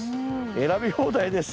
選び放題です